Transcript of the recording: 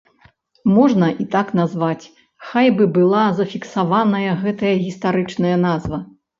Можна і так назваць, хай бы была зафіксаваная гэтая гістарычная назва.